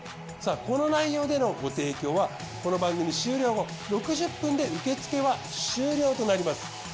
さぁこの内容でのご提供はこの番組終了後６０分で受付は終了となります。